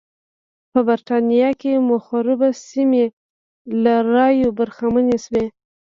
په برېټانیا کې مخروبه سیمې له رایو برخمنې شوې.